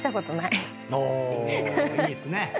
いいっすね。